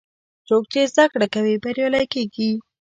څوک چې زده کړه کوي، بریالی کېږي.